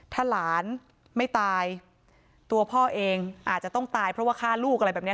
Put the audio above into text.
ถ้าหลานไม่ตายตัวพ่อเองอาจจะต้องตายเพราะว่าฆ่าลูกอะไรแบบนี้